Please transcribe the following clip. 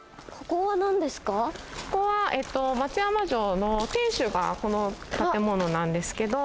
萩原さん：ここは松山城の天守がこの建物なんですけど。